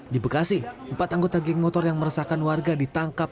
di bekasi empat anggota geng motor yang meresahkan warga ditangkap